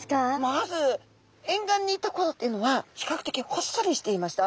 まず沿岸にいた頃っていうのは比較的ほっそりしていました。